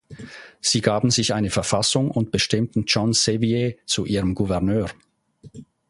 Sie gaben sich eine Verfassung und bestimmten John Sevier zu ihrem Gouverneur.